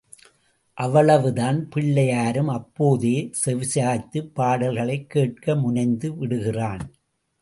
அவ்வளவுதான் பிள்ளையாரும் அப்போதே செவிசாய்த்துப் பாடல்களை கேட்க முனைந்து விடுகிறான்.